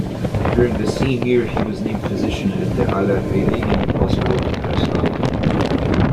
During the same year he was named physician at the Allerheiligen Hospital in Breslau.